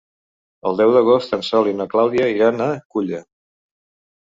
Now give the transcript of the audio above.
El deu d'agost en Sol i na Clàudia iran a Culla.